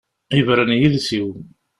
Ibren yiles-iw.